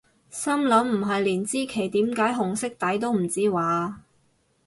心諗唔係連支旗點解紅色底都唔知咓？